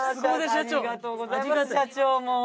社長もう。